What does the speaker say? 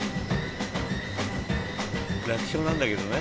楽勝なんだけどね。